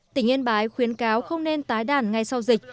tỉnh yên bái khuyến cáo không nên tái đàn ngay sau dịch